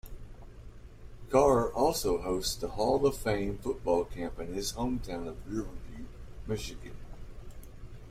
Carr also hosts the Hall-of-Fame Football Camp in his hometown of Riverview, Michigan.